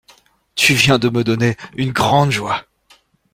Tu viens de me donner une grande joie.